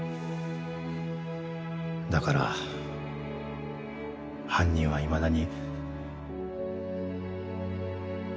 だから犯人はいまだに。